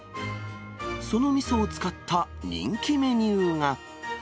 そのみそを使った人気メニューが。